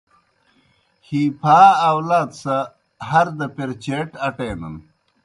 ہِی پھا آؤلات سہ ہر دہ پیر چیٹ آٹینَن۔